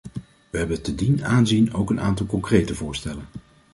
We hebben te dien aanzien ook een aantal concrete voorstellen.